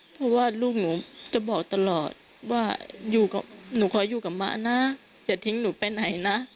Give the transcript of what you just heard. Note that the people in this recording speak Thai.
เพราะว่าลูกหนูจะบอกตลอดว่าหนูขออยู่กับมะนะอย่าทิ้งหนูไปไหนนะ